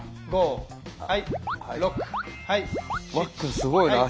すごいな脚。